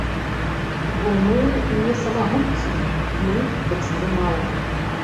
Бо мы не самагубцы, мы экстрэмалы.